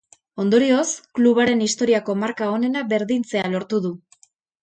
Ondorioz, klubaren historiako marka onena berdintzea lortu du.